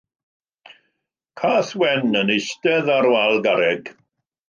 Cath wen yn eistedd ar wal garreg.